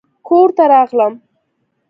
کور ته راغلم